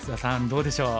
どうでしょう？